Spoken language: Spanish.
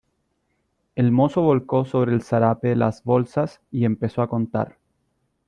el mozo volcó sobre el zarape las bolsas, y empezó a contar.